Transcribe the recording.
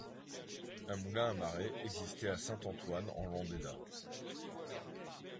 Un moulin à marée existait à Saint-Antoine en Landéda.